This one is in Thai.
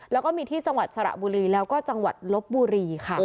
แล้วก็มีที่จังหวัดสระบุรีแล้วก็จังหวัดลบบุรีค่ะ